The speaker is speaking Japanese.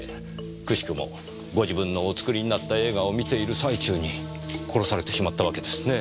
奇しくもご自分のお作りになった映画を観ている最中に殺されてしまったわけですねぇ。